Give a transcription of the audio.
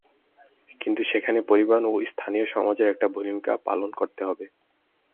কিন্তু সেখানে পরিবার ও স্থানীয় সমাজের একটা ভূমিকা পালন করতে হবে।